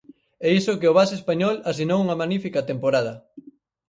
E iso que o base español asinou unha magnífica temporada.